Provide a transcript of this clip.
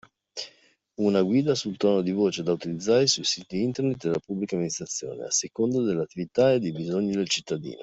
Una guida sul tono di voce da utilizzare sui siti internet della Pubblica Amministrazione, a seconda delle attività e dei bisogni del cittadino.